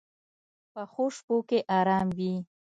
پخو شپو کې آرام وي